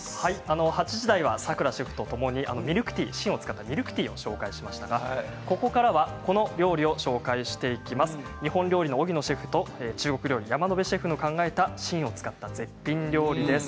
８時台はさくらさんとともに芯を使ったミルクティーをご紹介しましたが、ここからは日本料理荻野シェフと中国料理山野辺シェフと考えた芯を使った絶品料理です。